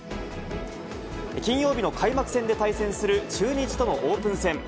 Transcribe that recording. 金曜日の開幕戦で対戦する中日とのオープン戦。